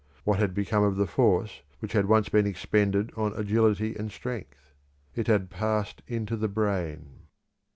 What had become of the force which had once been expended on agility and strength? It had passed into the brain.